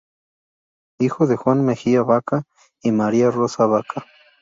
Hijo de Juan Mejía Baca y María Rosa Baca.